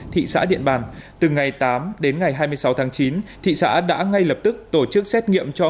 thị xã điện bàn từ ngày tám đến ngày hai mươi sáu tháng chín thị xã đã ngay lập tức tổ chức xét nghiệm cho